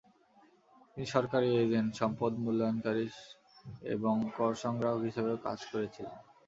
তিনি সরকারি এজেন্ট, সম্পদ মূল্যায়নকারী এবং কর সংগ্রাহক হিসাবেও কাজ করেছিলেন।